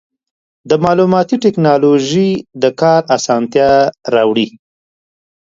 مالوماتي ټکنالوژي د کار اسانتیا راوړي.